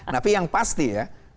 tapi yang pasti ya